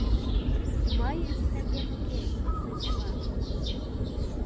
Мыйын титакем уке, — сӧсла.